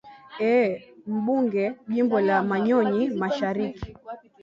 ee mbunge jimbo la manyonyi mashariki